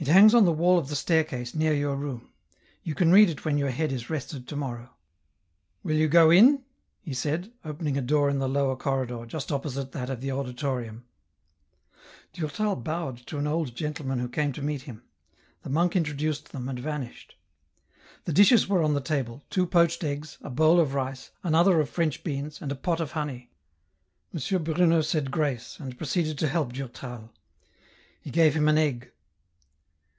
" It hangs on the wall of the staircase, near your room ; you can read it when your head is rested to morrow. Will you go in ?" he said, opening a door in the lower corridor, just opposite that of the auditorium. Durtal bowed to an old gentleman who came to meet him ; the monk introduced them and vanished. The dishes were on the table, two poached eggs, a bowl of rice, another of French beans, and a pot of honey. M. Bruno said grace, and proceeded to help Durtal. He gave him an egg.